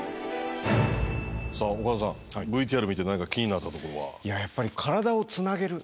さあ岡田さんＶＴＲ見て何か気になったところは？